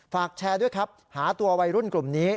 แชร์ด้วยครับหาตัววัยรุ่นกลุ่มนี้